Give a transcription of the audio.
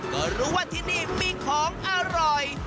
ก็รู้ว่าที่นี่มีของอร่อย